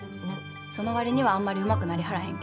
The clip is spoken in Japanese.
その割にはあんまりうまくなりはらへんけど。